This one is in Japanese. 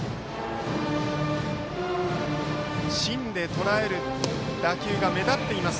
芯でとらえる打球が目立っています。